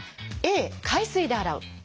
「Ａ海水で洗う」。